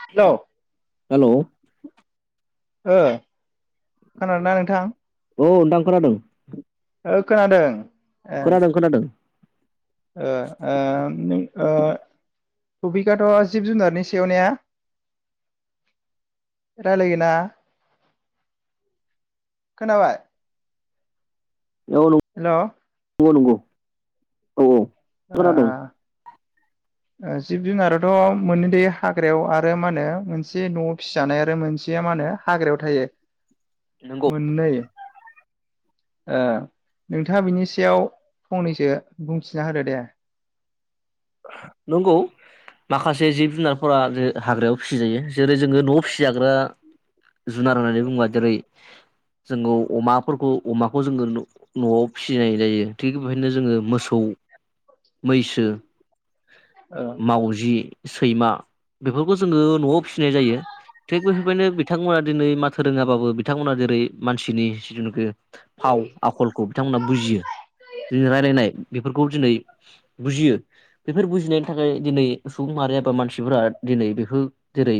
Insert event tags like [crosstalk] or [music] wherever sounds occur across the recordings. Hello हेल' ओ खोनादों ना नोंथां औ नोंथां खोनादों ओ खोनादों ए खोनादों खोनादों ओ ओ ओ टपिखाथ' जिब जुनारनि सायाव ने रायलायगोन ना खोनाबाय हेलौ नंगौ-नंगौ औ-औ ओ ओ जिब जुनारथ' मोनैथायो हाग्रायाव आरो माहोनो मोनसे न'आव फिजानाय आरो मोनसेया माहोनो हाग्रायाव थायो। नंगौ मोननै ओ नोंथाङा बिनि सायाव फंनैसो बुंथिना होदो दे नंगौ माखासे जिब जुनारफोरा जे हाग्रायाव फिसिजायो जेरै जोङो न'आव फिसिजाग्रा जुनार होननानै बुङोबा जेरै जोंङो अमाफोरखौ अमाखौ जोङो न'आव फिसिनाय जायो थिग बेबायदिनो जोङो मोसौ मैसो। ओ मावजि सैमा बेफोरखौ जोङो न'आव फिसिनाय जायो थिग बेफोरबायनो बिथांमोना दिनै माथो रोङाबाबो बिथांमोना जेरै मानसिनि जिनुखो फाव आखलखौ बिथांमोना बुजियो जिरायलायनाय बेफोरखौ दिनै बुजियो। बेफोर बुजिनायनि थाखाय दिनै सुबुं माहारि एबा मानसिफोरा दिनै बेफोर जेरै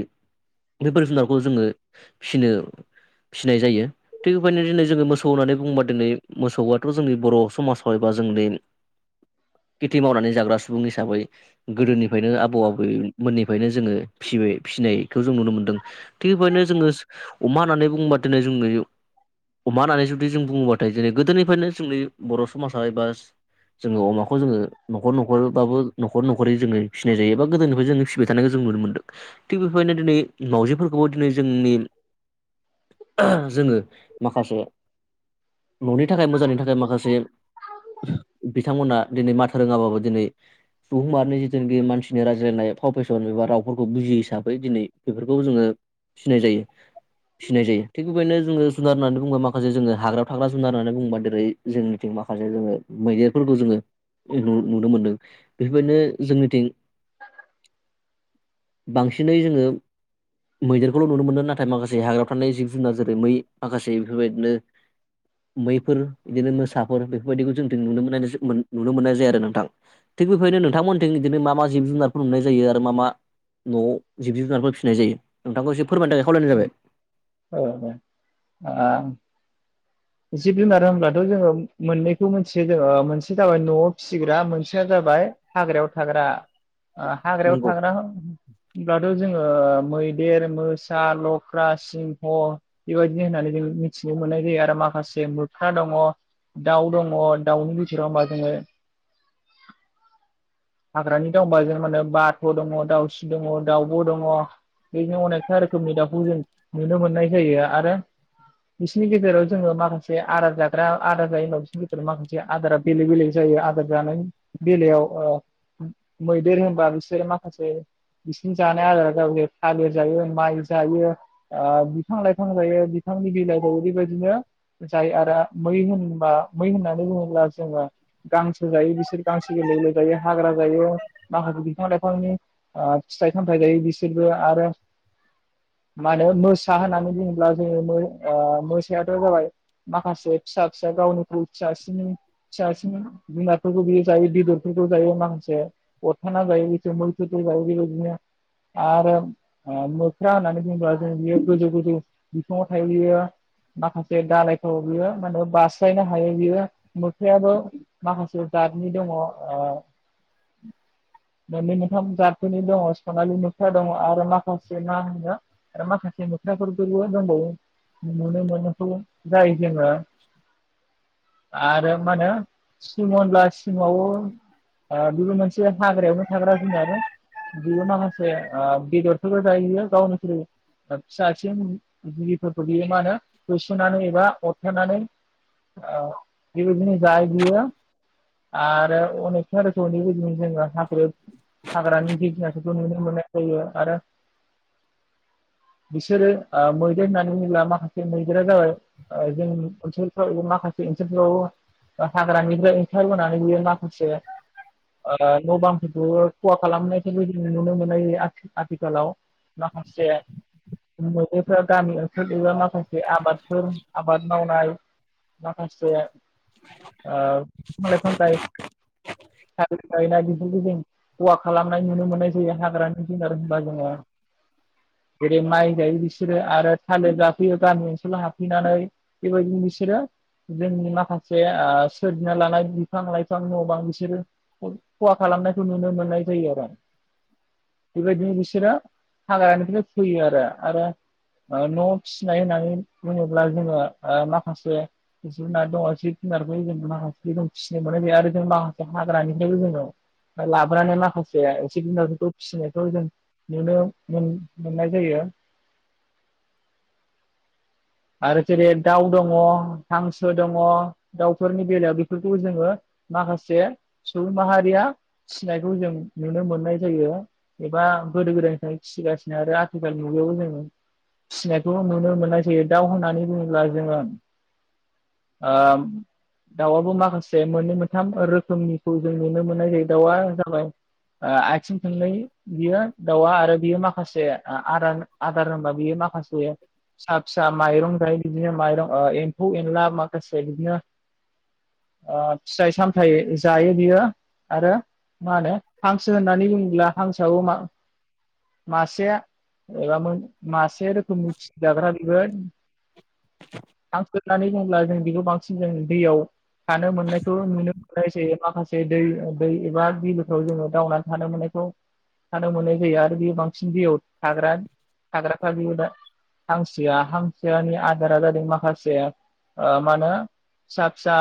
बेफोर जुनारखौ जोङो फिनो फिसिनाय जायो थिग बेबायनो दिनै जोङो मोसौ होननानै बुङोबा दिनै मोसौआथ' जोंनि बर' समाजाव एबा जोंनि खेथि मावनानै जाग्रा सुबुं हिसाबै गोदोनिफ्रायनो आबौ आबैमोननिफ्रायनो जोङो फिबाय फिसिनायखौ जों नुनो मोनदों थिग बेबायनो जोङो अमा होननानै बुङोबा दिनै जोंनि अमा होननानै जुदि जों बुङोबाथाय दिनै गोदोनिफ्रायनो जोंनि बर' समाजा एबा जोङो अमाखौ जोङो न'खर-न'खर न'खरबाबो न'खर-न'खरै जोङो फिसिनाय जायो एबा गोदोनिफ्राय जोङो फिबाय थानायखौ जों नुनो मोन्दों थिग बेबायदिनो दिनै मावजिफोरखौबो दिनै जोंनि जोङो माखासे न'नि थाखाय मोजांनि थाखाय माखासे बिथांमोना दिनै माथो रोङाबाबो दिनै सुबुंहमनि जिथुनाखि मानसिनि रायज्लायनाय फाव फेसन एबा रावफोरखौ बुजियो हिसाबै दिनै बेफोरखौ जोङो फिनाय जायो फिनाय जायो थिग बेबायदिनो जोङो जुनार होननानै बुङोबा माखासे जोङो हायावग्रा थाग्रा जुनार होननानै बुङोबा जेरै जोंनिथिं माखासे जोङो मैदेरफोरखौ जोङो इग नुनो मोनदों बेफोरबायदिनो जोंनिथिं [unintelligible] बांसिनै जोङो मैदेरखौल' नुनो मोनो नाथाय माखासे हाग्रा थानाय जिब जुनार जेरै मै माखासे बेफोरबायदिनो मैफोर बिदिनो मोसाफोर बेफोरबायदिखौ जों नुनो मोन नुनो मोननाय जाय आरो ना। थां थिग बेबायदिनो नोंथांमोनथिं बिदिनो मा-मा जिब जुनारफोर नुनाय जायो आरो मा-मा न'आव जिब जुनारफोर फिसिनाय जायो। नोंथांखौ एसे फोरमायनो थाखाय खावलायनाय जाबाय औ आ जिब जुनार होनब्लाथ' जोङो मोननैखौ मिथियो जोङो ओ मोनसेया जाबाय न'आव फिसिग्रा मोनसेया जाबाय हाग्रायाव थाग्रा। ओ हाग्रायाव नंगौ थाग्रा होनब्लाथ जोङो मैदेर मोसा लख्रा सिंह बेबायदि होननानै जों मिथिनो मोननाय जायो आरो माखासे माखासे मोख्रा दङ दाउ दङ दाउनि बिथोराव होमबा जोङो हाग्रानि दंबा जों माने बाथ' दङ दाउस्रि दङ दाावब' दङ बेजों अनेकथा रोखोमनि दाउखौ जों नुनो मोननाय जायो आरो बिसिनि गेजेराव जोङो माखासे आदार जाग्रा आदार जायो उनाव बिसोरनि गेजेराव माखासे आदारा बेलेग-बेलेग जायो आदार जानायनि बेलायाव ओ मैदेर होनबा बिसोरो माखासे बिसोरनि जानाय आदारा जाब थालिर जायो माइल जायो। ओ बिफां लाइफां जायो बिफांनि बिलाइखौ ओरैबायदिनो जायो आरो मै होनबा मै होननानै बुङोब्ला जोङो गांसो जायो बिसोर गांसो गोलै-गोलै जायो। हाग्रा जायो माखासे बिफां लाइफांनि ओ फिथाइ सामथायाइ जायो बिसोरबो आरो मा होनो मोसा होननानै बुङोब्ला जोङो मोसायाथ' जाबाय माखासे फिसा फिसा गावनिख्रुय फिसासनि फिसासनि जुनारफोरखौ बियो जायो बेदरफोरखौ जायो माखासे अरथाना जायो मैफोरखौ जायो बेबायदिनो आरो मोख्रा होननानै बुङोब्ला जों बियो गोजौ-गोजौ बिफङाव थायो बियो माखासे दाालायफ्र बियो माने बास्लायनो हायो बियो मोख्रायाबो माखासे जतनि दङ ओ मोननै मोनथाम जदफोरनि दङ सनालि मोख्रा दङ आरो माखासे माहोनो आरो माखासे मोख्राफोरखौबो दंबावो। नुनो मोनायखौ जायो जोंङो। आरो मा होनो सिमनला सिमावबो ओ बेबो मोनसे हाग्रायावनो थाग्रा जुनार बियो माखासे ओ बेदरफोरबो जाहहैयो गावनिख्रु फिसासिन जिलबफोरखौ बियो मा होनो होसोननानै एबा अरथनानै बेबायदिनो जाहहैयो आरो अनेग [unintelligible] जोङो हाग्रोब हाग्रानि जि फनायफोरखौ नुनो मोननाय जायो आरो बिसोरो ओ मैदेर होननानै बुङोब्ला माखासे मैदेरा जाबाय जों ओनसोलफ्राव एबा माखासे ओनसोलफ्राव हाग्रानिफ्राय ओंखारबोनानै बियो माखासे ओ न' बांफोरखौ खहा खालामनायखौबो जों नुनो मोननाय जायो आ आथिखालाव माखासे मोदेरफ्रा गामि ओनसोल एबा मा माखासे आबादफोर आबाद मावनाय माखासे ओ बिफां लायफां गाय थालिर गायनाय बिफोरखौ जों खहा खालामनाय नुनो मोननाय जायो हाग्रानि जुनार होनबा जोङो जेरै माइ जायो बिसोरो आरो थालिर जाफैयो गामि ओनसोलाव हाबफैनानै बेबायदिनो बिसोरो जोंनि माखासे सोरजिना लानाय बिफां लाइफां न' बां बि बिसोरो खहा खालामनायखौ नुनो मोननाय जायो आरो बेबायदिनो बिसोरो हाग्रानिफ्राय फैयो आरो आरो न' फिसिनाय होननानै बुङोब्ला जोङो ओ-माखासे जुनार दं जिब जुनारखौ जों माखासे जों फिसिनो मोननाय जायो आरो जों मा हाग्रानिफ्रायबो जोङो लाबोनानै माखासे जाया जिब जुनारफोरा जों फिसिनायखौ नुनो। मोन-मोननाय जायो। आरो जेरै दाउ दङ हांसो दङ दाउफोरनि बेलायाव बे फोरखौ जोङो माखासे सुबुं माहारिया फिनायखौ जों नुनो मोननाय जायो। एबा गोदो गोदायनिफ्राय फिसिगासिनो आरो आथिखालनि मुगायावबो जोङो फिसिनायखौ नुनो मोननाय जायो। दाउ होननानै बुङोब्ला जोङो ओ-दाउआबो माखासे मोननै मोनथाम रोखोमनिखौ जों नुनो मोननाय जायो दाउआ जाबाय ओ-आथिं थांनै बियो दाउआ आरो बियो माखासे आ- आदार आदार होनबा बियो माखासे फिसा फिसा माइरं बिदिनो माइरं ओ- एम्फौ एनला माखासे बिदिनो ओ-फिथाइ सामथाय जायो बियो आरो मा होनो हांसो होननानै बुङोब्ला हांसोआबो मा-मासे एबा मो-मासे रोखोमनि। गोद हांसो होननानै बुब्ला जों बेखौ बांसिन जों दैयाव थानो मोननायखौ नुनो मोननाय जायो माखासे दै दै एबा बिलोफ्राव जोङो दावनानै थानो मोननायखौ थानो मोननाय जायो आरो बेयो बांसिन दैयाव हाग्रा हाग्रा [inaudible] हां हांसोआ हांसोनि आदारा जादों माखासे ओ-मा होनो फिसा फिसा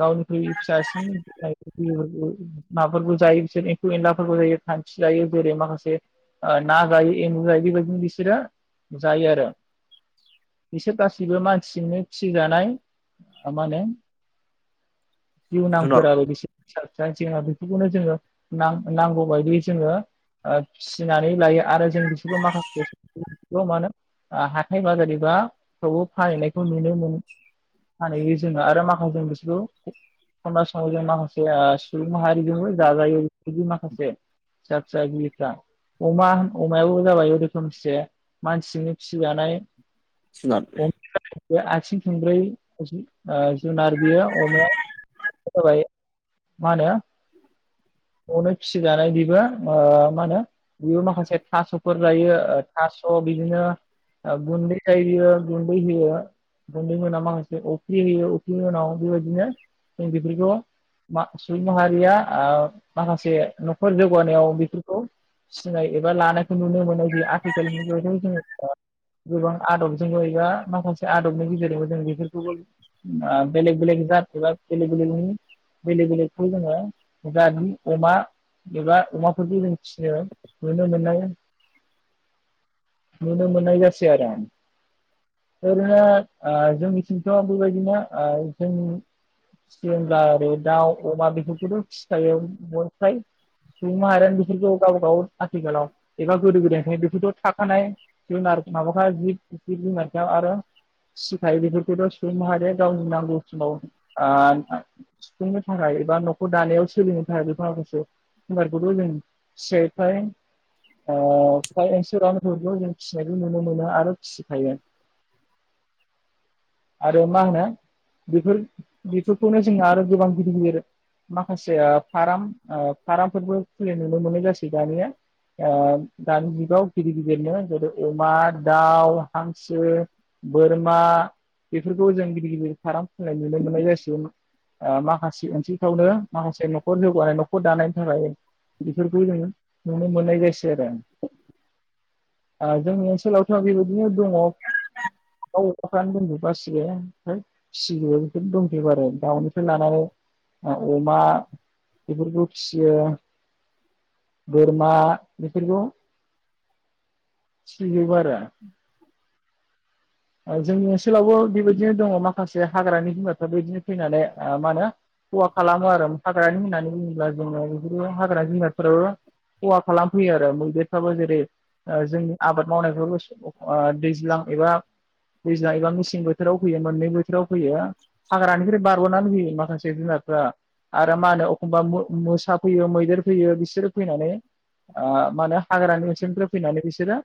गावनिख्रुय फिसासिन माबाफोरखौ जायो बिसोर एम्फौ एनलाफोरबो जायो खान्थि जायो जेरै माखासे ना जायो एमबु जायो बेबायदिनो बिसोरो जायो आरो। बिसोर गासैबो मानसिजोंनो फिजानाय मा होनो जुनार जिवनांफोर आरो बेसो जायथि बेफोरखौनो जोङो नां-नांगौ बायदियै जोङो ओ फिनानै लायो आरो जों बिसोरखौ माखासे मा होन ओ हाथाय बाजार एबा [unintelligible] फानहैनायखौ नुनो मोनो फानहैयो जोङो आरो माखासे ज बिसोरखौ खमना खमासाव जों माखासे ओ-सुबुं माहारिजोंबो जाजायो बिफोरदि माखासे फिसा फिसा जिबिफ्रा, अमा अमायाबो जाबाय रोखोमसे मानसिनि फिजानाय जुनाद। बे आथिं थोंब्रै ओ-जुनार बेयो अमाया जाबाय मा होनो न'आवनो फिसिजानाय बेबो ओ-मा होनो बेबो माखासे थास'फोर जायो ओ-थास' बिदिनो। ओ-गुन्दै जायो गुन्दै होयो गुन्दै मोनाबा माखासे अफ्रि होयो अफ्रि उनाव बेबायदिनो जों बेफोरखौ मा-सुबुं माहारिया ओ-माखासे न'खर जौगानायाव बेफोरखौ फिनाय एबा लानायखौ नुनो मोनो जि आथिखाल मुगायावबो जोङ ओ- गोबां आदबजोंनो एबा माखासे आदबनि गेजेराव जों बेफोरखौबो ओ- बेलेग बेलेग जात एबा बेलेग बेलेगनि बेलेक बेलेगखौ जोङो दानि अमा एबा अमाफोरखौ जों फिनो नुनो मोननाय नुनो मोन नाय जासै आरो ओरैनो ओ-जोंनिथिंथ' बेबायदिनो ओ-जों फियोब्ला ओरै दाउ अमा बेफोरखौथ' फिखायो [unintelligible] सुबुं माहारिआनो बेफोरखौ गाव गाव आथिखालाव एबा गोदो गोदायनिफ्राय बेथ' थाखानाय। जुनार माबाथाय जिब जिब जुनार आरो फिसिखायो बेफोरखौथ' सुबुं माहारिया गावनि नांगौ समाव ओ-सुफुंनो थाखाय एबा न'खर दानायाव सोलिनो थाखाय बेफोर माखासे जुनारखौथ' जों फियोखाय ओ- [unintelligible] फिसिनायबो नुनो मोनो आरो फिसिखायो आरो मा होनो बेफोर बेफोरखौनो जों आरो गोबां गिदिर गिदिर माखासे ओ-फाराम फारामफोरबो खुलि नुनो मोनो जासै दानिया ओ-दानि जुगाव गिदिर गिदिरनो। अमा दाउ हांसो बोरमा बेफोरखौ जों गिदिर गिदिर फाराम फिनाय नुनो मोननाय जासै ओ-माखासे ओनसोलफ्रावनो माखासे न'खर जौगानाय न'खर दानायनि थाखाय। बिफोरखौ जाङो नुनो मोननाय जासै आरो। ओ-जोंनि ओनसोलावथ' बेबायदिनो दङ दाउ अमाफ्रानो दंजोै गासिबो ओमफ्राय फिजोबो बेफोर दंजोबो आरो दाउनिफ्राय लानानै ओ-अमा बेफोरखौ फियो बोरमा बेफोरखौ। फिजोबो। [unintelligible] ओ-जोंनि ओनसोलावबो बेबायदिनो दङ माखासे हाग्रानि बिुनाफ्राबो इदिनोबे फैनानै ओ-मा होनो खहा खालामो आरो हाग्रानि होननानै बुङोब्ला जोङो बेफोर हाग्रा बिुनाफोराबो खहा खालामफैयो आरो मैदेरफ्राबो जेरै ओ-जोंनि आबाद मावनायफ्राबो ओ- दैज्लां एबा। दैज्लां एबा मेसें बोथोराव फैयो मोननै बोथोराव फैयो हाग्रानिफ्राय बारबोनानै फैयो माखासे जुनारफ्रा आरो मा होनो एखमबा म-मोसा फैयो मैदेर फैयो बिसोरो फैनानै ओ-मा होनो हाग्रानि ओनसोलनिफ्राय फैनानै बिसोरो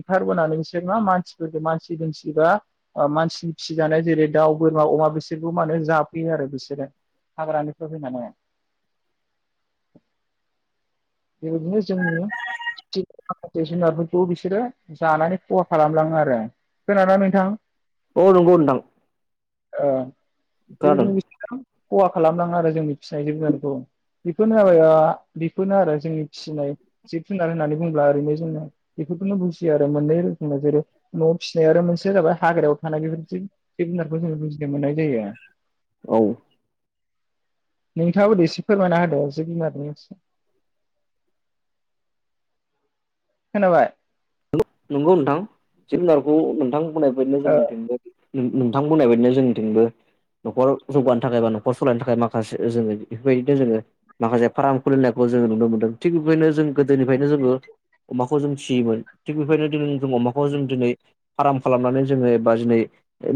ओंखारबोनानै बिसोर मा मानसिफोरखौ मानसि दुइसिन बा ओ-मानसिनि फिसिजानाय जेरै दाउ बोरमा अमा बिसोरखौ मा होनो जाफैयो आरो बिसोरो हाग्रानिफ्राय फैनानै। बेबायदिनो जोंनि माखासे जुनारफोरखौ बिसोरो जानानै खहा खालामलाङो आरो खोनादोंना नोंथां? औ नंगौ नोंथां खोनादों ओ-बेबादिनो बिसोरो खहा खालामलाङो आरो। जोंनि फिसायनाय जिब जुनारखौ बेफोरनो जाबाय ओ- बेफोरनो आरो। जोंनि फिसिनाय जिब जुनार होननानै बुंङोब्ला ओरैनो जोंङो बेफोरखौनो बुजियो आरो मोननै रोखोमनि जेरै न'आव फिसिनाय आरो मोनसे जाबाय हाग्रायाव थानाय बेफोरदि जिब जुनारखौ जोंङो बुजिनो मोननाय जायो। औ नोंथाङाबो दे एसे फोरमायना होदो जिब जुनारनि। खोनाबाय? नंगौ नोंथां जिब जुनारखौ नोंथां बुंनायबायदिनो ओ जोंनिथिंबो बि नों-नोंथां बुंनाय बायदिनो जोंनिथिंबो न'खर जौगानो थाखाय बा न'खर सलायनो थाखाय माखासे जोङो बेफोरबायदिनो जोङो माखासे फार्म खुलिनायखौ जोङो नुनो मोनदों थिग बेबायनो जों गोदोनिफ्रायनो जोङो अमाखौ जों फिसियोमोन। थिग बेबायदिनो [unintelligible] जों अमाखौ जों दिनै फार्म खालामनानै जोङो एबा दिनै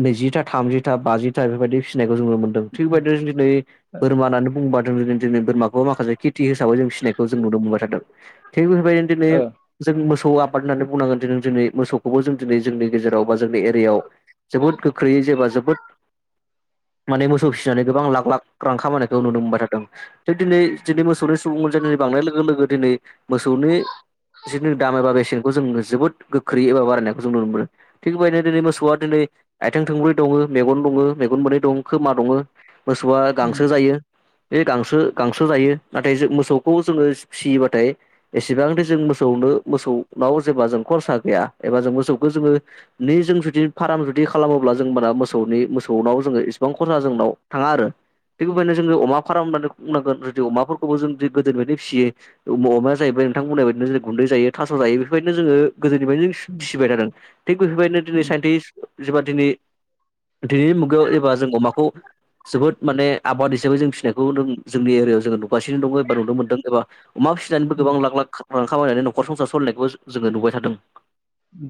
नैजिथा थामजिथा बाजिथा बेबायदि फिसिनायखौ जोङो मोन दो थिगबायदि दिनै बोरमा होननानै बुंङोबा जों दिनै बोरमा खौ माखासे खेथि हिसाबै जों फिनायखौ जों नुनो मोनबाय थादों थिग बेफोरबायदिनो दिनै ओ ओ जों मोसौ आ होननानै बुंनांगोन दि दिनै मोसौखौबो जों दिनै जोंनि गेजेराव बा जोंनि एरियायाव जोबोद गोख्रैयै जेबा जोबोद माने मोसौ फिसिनानै गोबां लाख लाख रां खामानायखौ नुनो मोनबाय थादों। थ' दिनै दिनै मोसौनि सुबुं अनजिमानि बांनाय लोगो लोगो दिनै मोसौनि जिनु दामा बारायसिगोन। जों जोबोद गोख्रै एबा बारायनायखौ जों नुनो मोनो। थिग बेबायदिनो दिनै मोसौआ दिनै आइथिं थोंब्रै दङो मेगन दङ मेगन मोननै दं। खोमा दङो, मोसौआ उम गांसो जायो। बे गांसो गांसो जायो नाथाय जों मोसौ खौ जोङो फिसियो बाथाय एसेबांथो जों मोसौनो मोसौ नाव जेब्ला जों खरसा गैया एबा जों मोसौखौ जोङो नि जों जुदि फार्म जुदि खालामोब्ला जों माना मोसौनि मोसौनाव जोङो इसिबां खरसा जोंनाव थाङा आरो थिग बेबायदिनो जोङो अमा फार्म होननानै बुंनांगोन जुदि अमाफोरखौबो जों जु गोदोनि बायनो फिसियो अमाया जाहैबाय नोंथांमोननाय बायदिनो जे गुन्दै जायो थास' जायो। बेबायदिनो जोङो गोदोनिफ्रायनो जों उम फिसिबाय थादों थिग बेफोरबायदिनो दिनै उम साइन्टिस जेबा दिनै दिनैनि मुगायाव एबा जों अमाखौ जोबोद माने आबाद हिसाबै जों फिसिनायखौ जोंनि एरियायाव जोंङो नुगासिनो दङ' एबा नुनो मोनदों एबा अमा फिसिनानैबो उम गोबां लाख लाख गोबां खामायनानै न'खर संसार सलायनायखौबो जोङो नुबाय थादों। ओम